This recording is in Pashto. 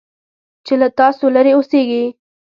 چې له تاسو لرې اوسيږي .